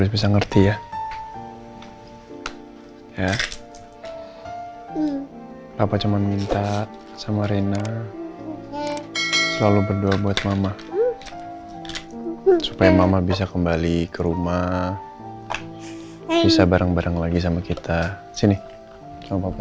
buat mama supaya mama bisa kembali ke rumah bisa bareng bareng lagi sama kita sini sama